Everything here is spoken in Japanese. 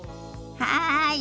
はい！